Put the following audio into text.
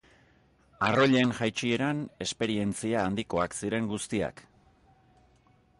Arroilen jaitsieran esperientzia handikoak ziren guztiak.